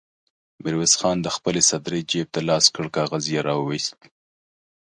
ميرويس خان د خپلې سدرۍ جېب ته لاس کړ، کاغذ يې را وايست.